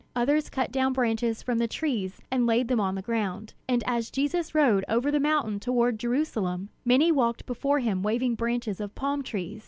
Others cut down branches from the trees and laid them on the ground. And as Jesus rode over the mountain toward Jerusalem, many walked before him waving branches of palm trees.